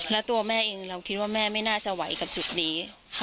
แล้วตัวแม่เองเราคิดว่าแม่ไม่น่าจะไหวกับจุดนี้